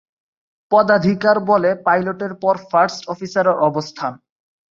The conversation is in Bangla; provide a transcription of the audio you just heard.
পদাধিকার বলে পাইলটের পর ফার্স্ট অফিসারের অবস্থান।